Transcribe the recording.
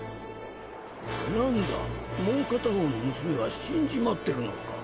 なんだもう片方の娘は死んじまってるのか。